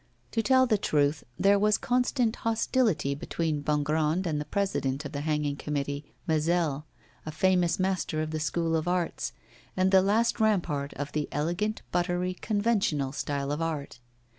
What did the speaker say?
To tell the truth, there was constant hostility between Bongrand and the President of the hanging committee, Mazel, a famous master of the School of Arts, and the last rampart of the elegant, buttery, conventional style of art.